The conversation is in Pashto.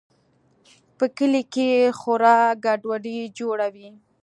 په کلي کښې خورا گډوډي جوړه وه.